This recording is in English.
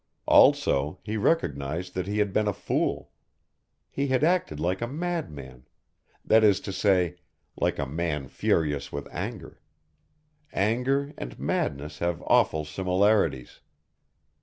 Also he recognised that he had been a fool. He had acted like a mad man that is to say, like a man furious with anger. Anger and madness have awful similarities.